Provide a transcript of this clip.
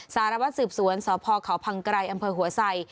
สารวัตรสืบสวนสพเขาพังไกรอำเภอหัวไส